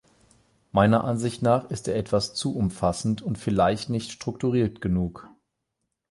Meiner Ansicht nach ist er etwas zu umfassend und vielleicht nicht strukturiert genug.